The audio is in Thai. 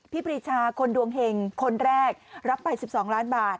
ปรีชาคนดวงเห็งคนแรกรับไป๑๒ล้านบาท